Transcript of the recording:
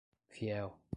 fiel